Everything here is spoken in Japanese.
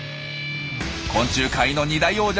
昆虫界の２大王者。